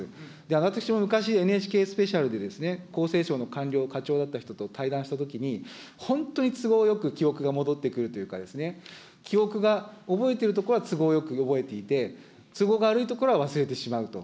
私も昔、ＮＨＫスペシャルで、厚生省の官僚、課長だった人と対談したときに、本当に都合よく記憶が戻ってくるというか、記憶が覚えているところは都合よく憶えていて、都合が悪いところは忘れてしまうと。